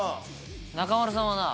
中丸さんはな。